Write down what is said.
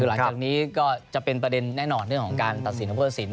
หลังจากนี้ก็จะเป็นประเด็นแน่นอนเรื่องของการตัดสินของผู้ตัดสิน